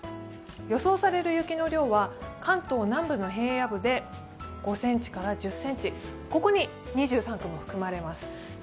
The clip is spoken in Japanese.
予想される雪の量は関東の平野部で５ｃｍから１０ｃｍ、ここに２３区も含まれます。